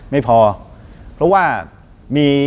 ไม่พอเพราะว่ามี